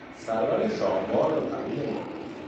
سرور شاهوار و فقید ما